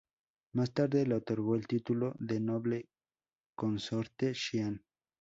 Más tarde le otorgó el título de Noble Consorte Xian.